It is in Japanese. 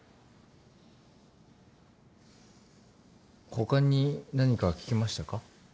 他に何か聞きましたか？